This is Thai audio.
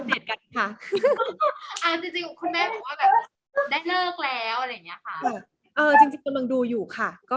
เรื่องงานวิวารย์จริงจริงยังไงคะพี่แฟนค่ะ